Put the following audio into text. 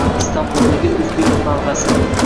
Istanbuldagi “O‘zbek qo‘nalg‘asi”